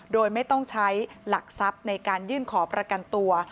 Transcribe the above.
โดยไม่ต้องใช้หลักทรัพย์ในการยื่นขอประกันตัว